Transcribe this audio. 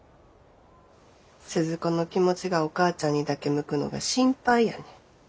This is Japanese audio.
鈴子の気持ちがお母ちゃんにだけ向くのが心配やねん。